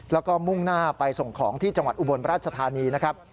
แล้วก็มุ่งหน้าไปส่งของที่จังหวัดอุบลราชธานีนะครับ